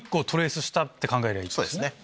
そうですね。